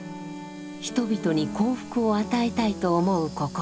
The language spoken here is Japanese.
人々に幸福を与えたいと思う心。